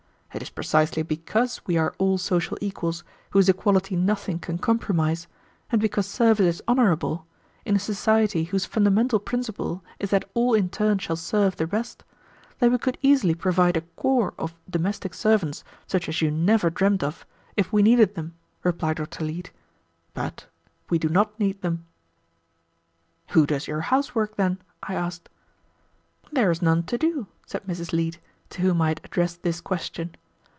"It is precisely because we are all social equals whose equality nothing can compromise, and because service is honorable, in a society whose fundamental principle is that all in turn shall serve the rest, that we could easily provide a corps of domestic servants such as you never dreamed of, if we needed them," replied Dr. Leete. "But we do not need them." "Who does your house work, then?" I asked. "There is none to do," said Mrs. Leete, to whom I had addressed this question.